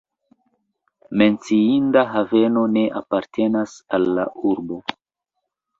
Menciinda haveno ne apartenas al la urbo.